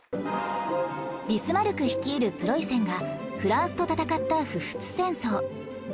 ビスマルク率いるプロイセンがフランスと戦った普仏戦争